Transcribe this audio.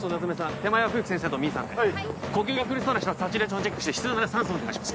手前は冬木先生とミンさんではい呼吸が苦しそうな人はサチュレーションチェックして必要なら酸素をお願いします